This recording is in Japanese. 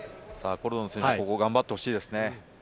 コルドン選手、ここ頑張ってほしいですね。